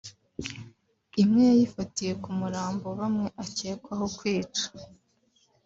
Imwe yayifatiye ku murambo wa bamwe akekwaho kwica